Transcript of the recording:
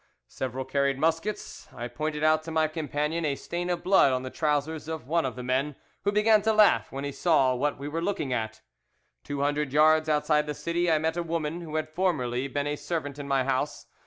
Several carried muskets. I pointed out to my companion a stain of blood on the trousers of one of the men, who began to laugh when he saw what we were looking at. Two hundred yards outside the city I met a woman who had formerly been a servant in my house.